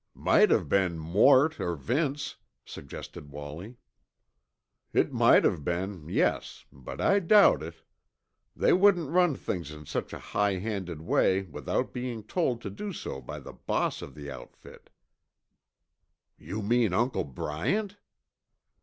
"Might have been Mort or Vince," suggested Wallie. "It might have been, yes, but I doubt it. They wouldn't run things in such a high handed way without being told to do so by the boss of the outfit." "You mean Uncle Bryant?"